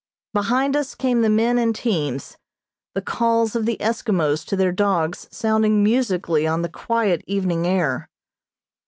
Behind us came the men and teams, the calls of the Eskimos to their dogs sounding musically on the quiet evening air.